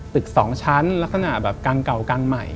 ตึก๒ชั้นลักษณะแบบกลางเก่ากลางใหม่